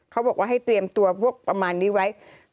เขาบอกว่าให้เตรียมตัวพวกประมาณนี้ไว้